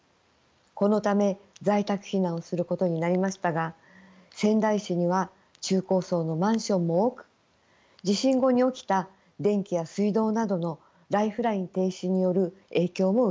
このため在宅避難をすることになりましたが仙台市には中高層のマンションも多く地震後に起きた電気や水道などのライフライン停止による影響も受けました。